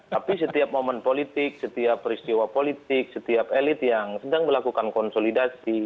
tapi setiap momen politik setiap peristiwa politik setiap elit yang sedang melakukan konsolidasi